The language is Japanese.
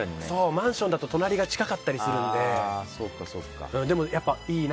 マンションだと隣が近かったりするので。